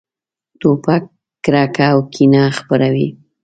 توپک کرکه او کینه خپروي.